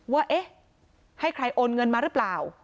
ว่าเอ๊ะให้ใครโอนเงินมาหรือเปล่า